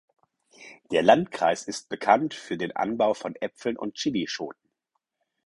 Der Landkreis ist bekannt für den Anbau von Äpfeln und Chilischoten.